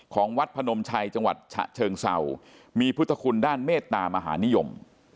ของวัดพนมชัยจังหวัดฉะเชิงเศร้ามีพุทธคุณด้านเมตตามหานิยม